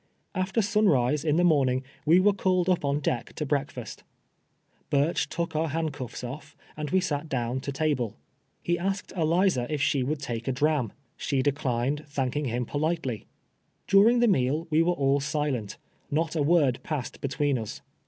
After sunrise in the morning we were called up ou deck to breakfast. Burch took our hand cuffs off, and we sat down to table. lie asked Eliza if she would take a dram. She declined, tharddng liim politely. During the meal we Avere all silent — not a word pass ed between us.